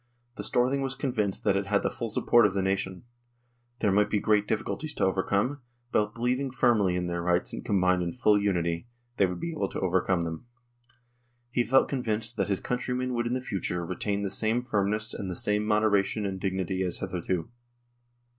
The Storthing was convinced that it had the full support of the nation. There might be great difficulties to overcome, but, believing firmly in their rights and combined in full unity, they would be able to overcome them. He felt convinced that his countrymen would in the future retain the same firm ness and the same moderation and dignity as hitherto.